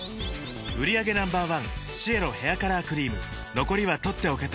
売上№１シエロヘアカラークリーム残りは取っておけて